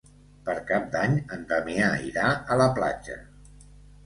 Per Cap d'Any en Damià irà a la platja.